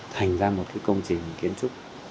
thành ra một cái công trình kiến trúc